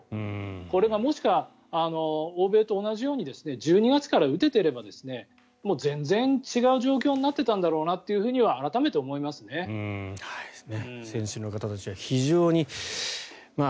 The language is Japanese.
これがもし、欧米と同じように１２月から打てていればもう全然違う状況になっていたんだろうなというふうには改めて思いますね。